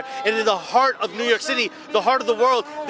di dalam hati new york city di hati dunia